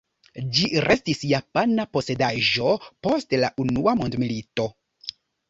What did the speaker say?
Ĝi restis japana posedaĵo post la Unua Mondmilito.